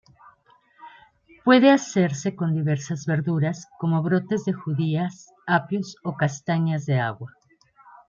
Puede hacerse con diversas verduras, como brotes de judías, apio o castaña de agua.